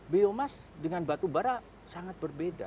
biomass dengan batubara sangat berbeda